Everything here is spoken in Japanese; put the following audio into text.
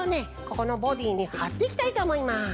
ここのボディーにはっていきたいとおもいます。